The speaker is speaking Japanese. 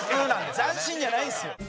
斬新じゃないんですよ。